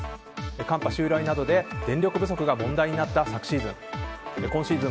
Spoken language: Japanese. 寒波襲来などで電力不足が問題になった昨シーズン。